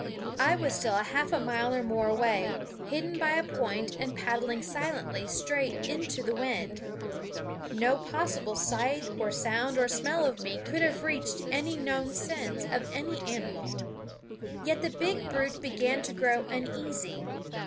I was still half a mile or more away, hidden by a point and paddling silently straight into the wind. No possible sight or sound or smell of me could have reached any known sense of any animal; yet the big brute began to grow uneasy.